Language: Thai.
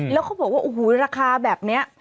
แล้วเขาบอกว่าโอ้โหราคาแบบนี้